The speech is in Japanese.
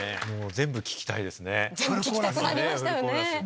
全部聴きたくなりましたよね。